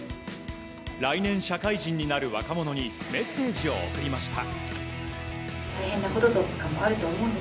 来年、社会人になる若者にメッセージを送りました。